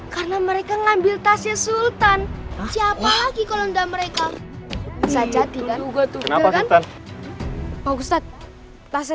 karena mereka ngambil tasnya sultan siapa lagi kalau mereka bisa jadi